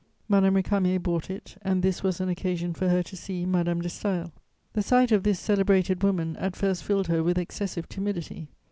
Madame Récamier bought it, and this was an occasion for her to see Madame de Staël. "The sight of this celebrated woman at first filled her with excessive timidity.